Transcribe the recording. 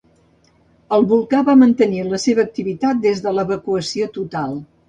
El volcà va mantenir la seva activitat des de l'evacuació total.